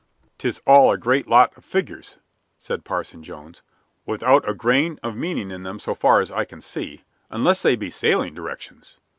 "'Tis all a great lot of figures," said Parson Jones, "without a grain of meaning in them so far as I can see, unless they be sailing directions."